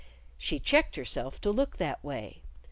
She checked herself to look that way.